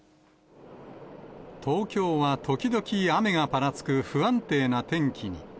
東京は時々雨がぱらつく不安定な天気に。